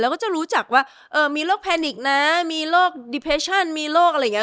ก็จะรู้จักว่ามีโรคแพนิกนะมีโรคดิเพชั่นมีโรคอะไรอย่างนี้